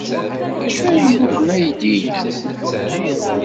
D acu ay yuɣen aydi-nnem?